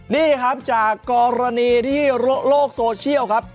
นี่จากกรณีที่โรคโซเชียลครับ